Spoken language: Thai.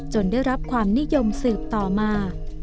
ได้รับความนิยมสืบต่อมา